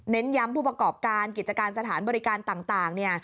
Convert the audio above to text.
ย้ำผู้ประกอบการกิจการสถานบริการต่าง